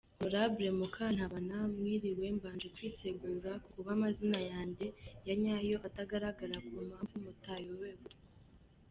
Honorable Mukantabana mwiriwe, Mbanje kwisegura kukuba amazina yanjye ya nyayo atagaragara ku mpamvu mutayobewe.